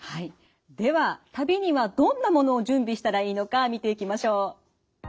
では旅にはどんなものを準備したらいいのか見ていきましょう。